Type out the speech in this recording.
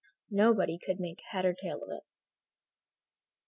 Nobody could make head or tail of it.